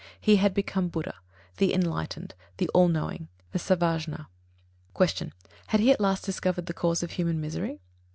He had become BUDDHA the Enlightened, the all knowing the Sarvajña. 64. Q. _Had he at last discovered the cause of human misery?